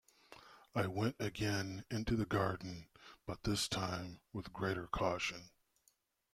I went again into the garden, but this time with greater caution.